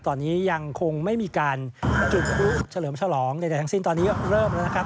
ตอนนี้ยังคงไม่มีการจุดพลุเฉลิมฉลองใดทั้งสิ้นตอนนี้เริ่มแล้วนะครับ